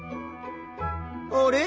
あれ？